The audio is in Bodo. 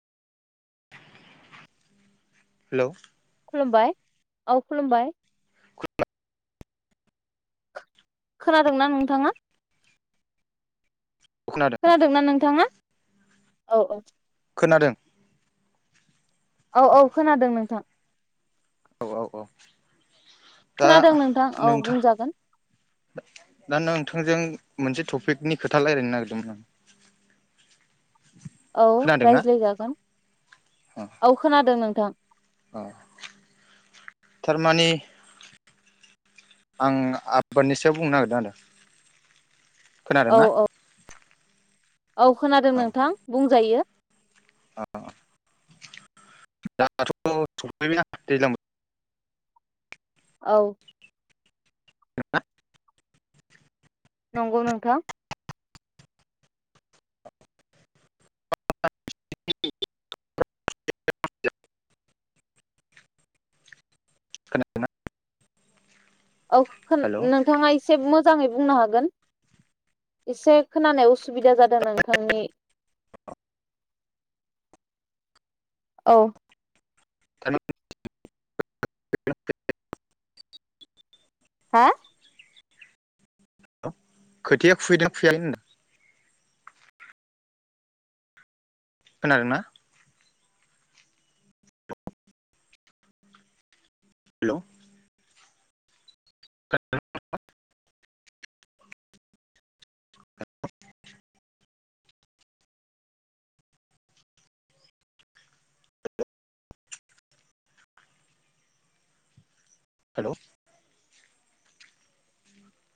[inaudible] हेल'। खुलुमबाय औ खुलुमबाय। खोनादोंना नोंथांङा? खोनादों खोनादोंना नोंथांङा? औ औ। खोनादों। औ औ खोनादों नोंथां। [unintelligible] दा खोनादों नोंथां औ बुंजागोन। थांजों मोनसे टपिकनि खोथा लायरायनो नागिरदोंमोन आं। औ खोनादोंना रायज्लायजागोन अ औ खोनादों नों थां अ थारमानि आं आबादनि सायाव बुंनो नागिरदों आरो। औ खोनादोंना? औ औ खोनादों अ नोंथां बुं जायो [unintelligible] दाथ' सफैबाय ना दैज्लां बो औ। जों आ नंगौ नोंथां। [unintelligible] [unintelligible] खोनादोंना? औ खोन हेलौ नोंथाङा एसे मो मोजाङै बुंनो हागोन। एसे खोनानाय उसुबिदा जादों नोंथांनि औ। थानाव [unintelligible] हा? [unintelligible] खोथिया फुहैदोंना फुहैयाखै [unintelligible] खोनादोंना? हेलौ। [unintelligible] हेलौ।